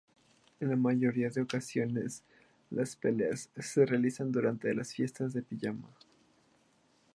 En la mayoría de ocasiones las peleas se realizan durante las fiestas de pijama.